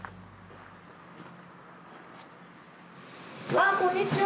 わあこんにちは